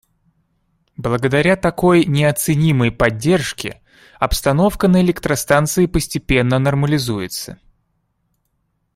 Благодаря такой неоценимой поддержке обстановка на электростанции постепенно нормализуется.